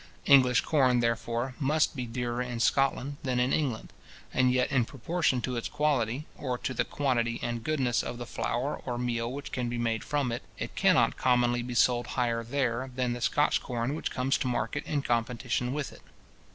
English corn, therefore, must be dearer in Scotland than in England; and yet in proportion to its quality, or to the quantity and goodness of the flour or meal which can be made from it, it cannot commonly be sold higher there than the Scotch corn which comes to market in competition with it.